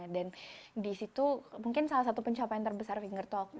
dan di situ mungkin salah satu pencapaian terbesar finger talk